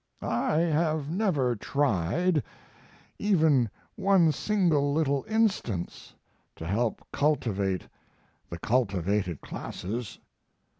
... I have never tried, in even one single little instance, to help cultivate the cultivated classes.